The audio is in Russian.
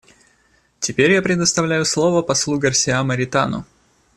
Теперь я предоставляю слово послу Гарсиа Моритану.